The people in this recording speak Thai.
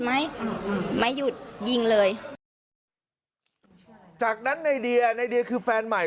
ไหมอืมไม่หยุดยิงเลยจากนั้นในเดียในเดียคือแฟนใหม่